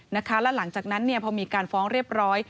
แล้วหลังจากนั้นพอมีการฟ้องเรียบร้อย